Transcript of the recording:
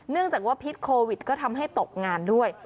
จากว่าพิษโควิดก็ทำให้ตกงานด้วย